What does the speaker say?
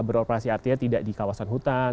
beroperasi artinya tidak di kawasan hutan